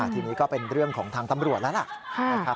ทีนี้ก็เป็นเรื่องของทางตำรวจแล้วล่ะ